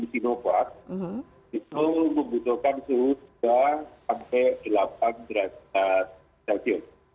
itu membutuhkan suhu tiga delapan derajat celcius